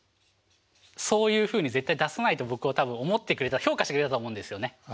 そういうふうに絶対出さないと僕を多分思ってくれた評価してくれたと思うんですよね。